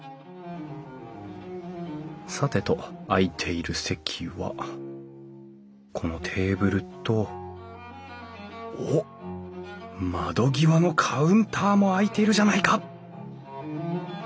さてと空いている席はこのテーブルとおっ窓際のカウンターも空いているじゃないか！